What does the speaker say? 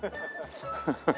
ハハハハ。